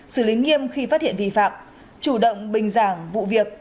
xử lý nghiêm khi phát hiện vi phạm chủ động bình giảng vụ việc